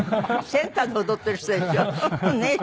センターで踊っている人でしょ？ねえ。